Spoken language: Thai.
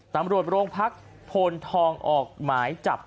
ตำรวจโรงพักโพนทองออกหมายจับ